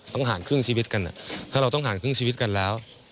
ต้องห่างครึ่งชีวิตกันถ้าเราต้องห่างครึ่งชีวิตกันแล้ว